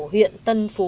huyện tân phú